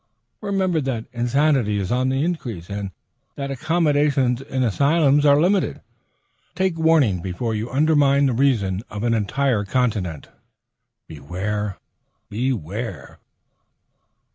Remember that insanity is on the increase, and that accommodations in asylums are limited. Take warning before you undermine the reason of an entire continent. Beware! Beware!